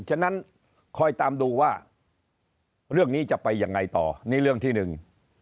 ฉะนั้นคอยตามดูว่าเรื่องนี้จะไปยังไงต่อนี่เรื่องที่หนึ่ง